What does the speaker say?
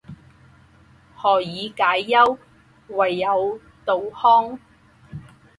何以解忧，唯有杜康